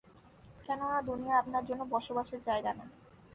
কেননা, দুনিয়া আপনার জন্যে বসবাসের জায়গা নয়।